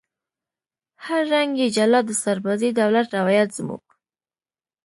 هر رنگ یې جلا د سربازۍ دی روایت زموږ